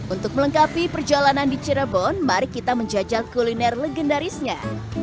untuk melengkapi perjalanan di cirebon mari kita menjajal kuliner legendarisnya